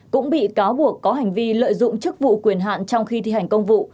cũng bị cáo buộc có hành vi lợi dụng chức vụ quyền hạn trong khi thi hành công vụ